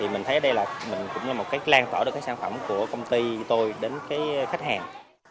mình thấy đây là một cái lan tỏa được sản phẩm của công ty tôi đến khách hàng